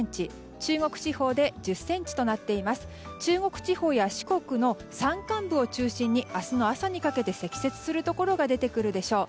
中国地方や四国の山間部を中心に明日の朝にかけて積雪するところが出てくるでしょう。